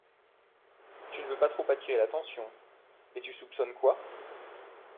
Tu ne veux pas trop attirer l’attention. Et tu soupçonnes quoi ?